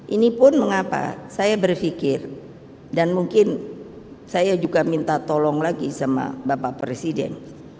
ini pun mengapa saya berpikir dan mungkin saya juga minta tolong lagi sama bapak presiden